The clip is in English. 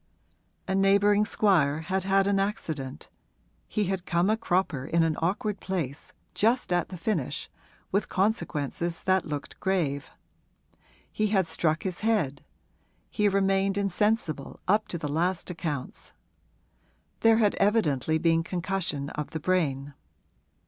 A neighbouring squire had had an accident; he had come a cropper in an awkward place just at the finish with consequences that looked grave. He had struck his head; he remained insensible, up to the last accounts: there had evidently been concussion of the brain.